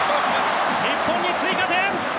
日本に追加点！